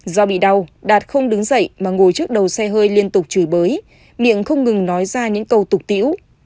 do bị đau đạt không đứng dậy mà ngồi trước đầu xe hơi liên tục chửi bới miệng không ngừng nói ra những câu tục tiễu